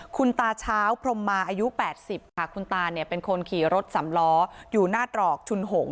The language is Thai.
คุณตาเช้าพรมมาอายุ๘๐ค่ะคุณตาเนี่ยเป็นคนขี่รถสำล้ออยู่หน้าตรอกชุนหง